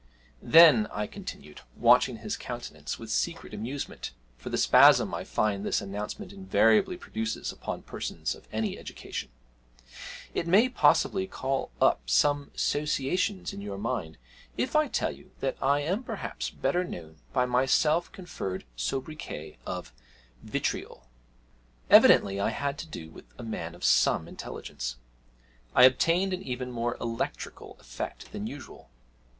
'Then,' I continued, watching his countenance with secret amusement for the spasm I find this announcement invariably produces upon persons of any education, 'it may possibly call up some associations in your mind if I tell you that I am perhaps better known by my self conferred sobriquet of "Vitriol."' Evidently I had to do with a man of some intelligence I obtained an even more electrical effect than usual.